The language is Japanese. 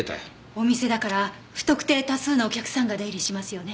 お店だから不特定多数のお客さんが出入りしますよね。